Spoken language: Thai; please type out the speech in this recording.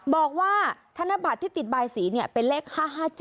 บอกว่าธนบัตรที่ติดบายสีเป็นเลข๕๕๗